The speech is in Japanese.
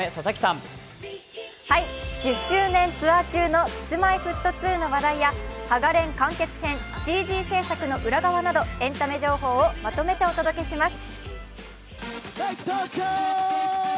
１０周年ツアー中のＫｉｓ−Ｍｙ−Ｆｔ２の話題や「ハガレン」完結編、ＣＧ製作の裏側などエンタメ情報をまとめてお届けします。